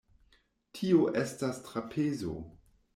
Tio estas trapezo.